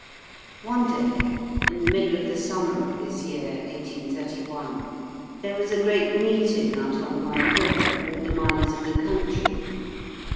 "One day, in the middle of the summer of this year 1831, there was a great meeting out on Waun hill of all the miners of the country.